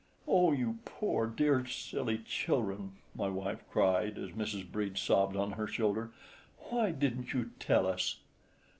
"Oh, you poor, dear, silly children!" my wife cried, as Mrs. Brede sobbed on her shoulder, "why didn't you tell us?"